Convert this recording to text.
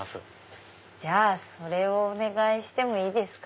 じゃあそれをお願いしてもいいですか？